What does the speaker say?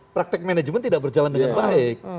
praktek manajemen tidak berjalan dengan baik